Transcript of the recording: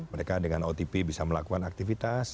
mereka dengan otp bisa melakukan aktivitas